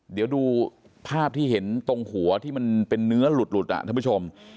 เดี๋ยวดูภาพที่เห็นตรงหัวที่มันเป็นเนื้อหลุดท่านผู้ชม